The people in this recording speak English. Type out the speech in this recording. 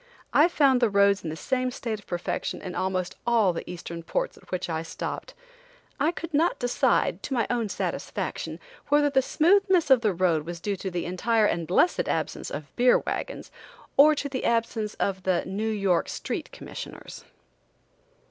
I found the roads in the same state of perfection in almost all the Eastern ports at which I stopped. I could not decide, to my own satisfaction, whether the smoothness of the road was due to the entire and blessed absence of beer wagons, or to the absence of the New York street commissioners.